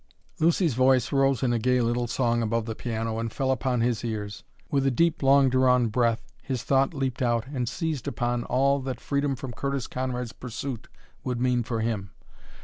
Lucy's voice rose in a gay little song above the piano and fell upon his ears. With a deep, long drawn breath his thought leaped out and seized upon all that freedom from Curtis Conrad's pursuit would mean for him.